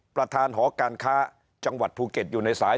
ประธานหอการค้าจังหวัดภูเก็ตอยู่ในสาย